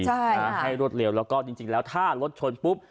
ใช่ให้รวดเร็วแล้วก็จริงแล้วถ้ารถชนปุ๊บ